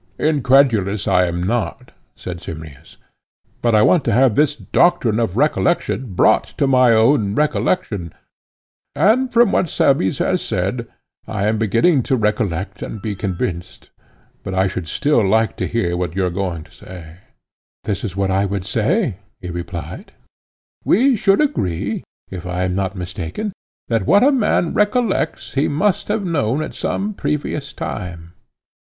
Incredulous, I am not, said Simmias; but I want to have this doctrine of recollection brought to my own recollection, and, from what Cebes has said, I am beginning to recollect and be convinced; but I should still like to hear what you were going to say. This is what I would say, he replied:—We should agree, if I am not mistaken, that what a man recollects he must have known at some previous time.